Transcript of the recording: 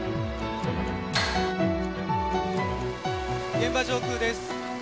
現場上空です。